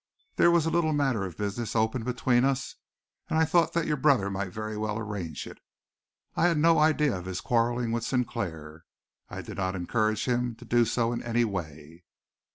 There was a little matter of business open between us, and I thought that your brother might very well arrange it. I had no idea of his quarrelling with Sinclair. I did not encourage him to do so in any way."